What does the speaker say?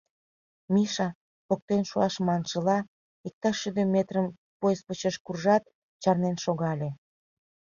Миша, поктен шуам маншыла, иктаж шӱдӧ метрым поезд почеш куржат, чарнен шогале.